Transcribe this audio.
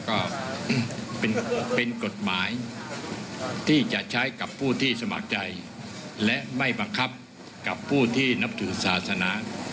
ก็เป็นกฎหมายที่จะใช้กับผู้ที่สมัครใจและไม่บังคับกับผู้ที่นับถือศาสนา